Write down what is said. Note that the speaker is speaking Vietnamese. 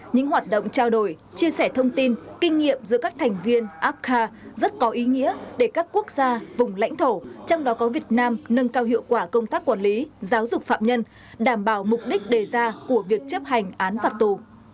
những hoạt động trao đổi chia sẻ thông tin kinh nghiệm giữa các thành viên apca rất có ý nghĩa để các quốc gia vùng lãnh thổ trong đó có việt nam nâng cao hiệu quả công tác quản lý giáo dục phạm nhân đảm bảo mục đích đề ra của việc chấp hành án phạt tù